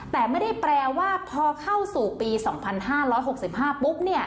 แต่ไม่ได้แปลว่าพอเข้าสู่ปี๒๕๖๕ปุ๊บ